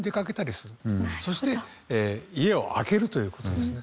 そして家を空けるという事ですね。